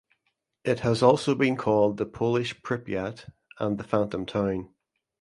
It has also been called the "Polish Pripyat" and the "Phantom Town".